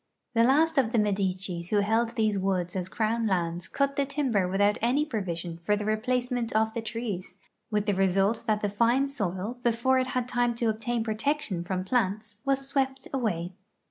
The last of the IMedicis who held these woods as crown lands cut the timber without any provision for the replacement of the trees, with the result that the fine soil, before it had time to obtain protection from plants, was swept away.